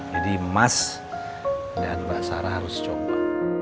jadi mas dan mbak sarah harus coba